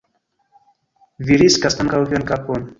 Vi riskas ankaŭ vian kapon.